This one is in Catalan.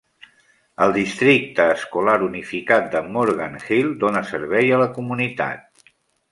El districte escolar unificat de Morgan Hill dóna servei a la comunitat.